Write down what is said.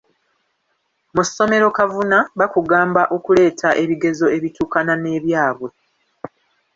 Mu ssomero kavuna bakugamba okuleeta ebigezo ebituukana n'ebyabwe.